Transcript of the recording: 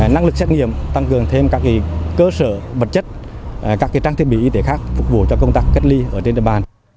năng lực xét nghiệm tăng cường thêm các cơ sở vật chất các trang thiết bị y tế khác phục vụ cho công tác cách ly ở trên địa bàn